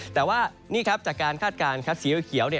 แต่ว่านี่ครับจากการคาดการณ์สีเขียว